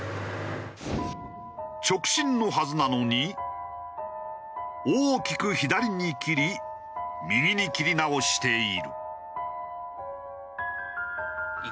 直進のはずなのに大きく左に切り右に切り直している。